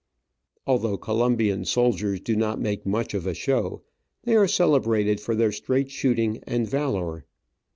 Although Colombian soldiers do not make much of a show, they are celebrated for their straight shooting and valour.